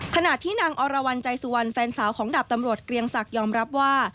ขณะที่นางอรวรรณใจสุวรรณแฟนสาวของดาบตำรวจเกรียงศักดิ์ยอมรับว่า